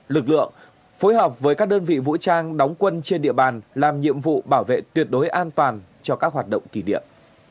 lực lượng phối hợp với các đơn vị vũ trang đóng quân trên địa bàn làm nhiệm vụ bảo vệ tuyệt đối an toàn cho các hoạt động kỷ niệm